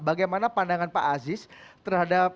bagaimana pandangan pak aziz terhadap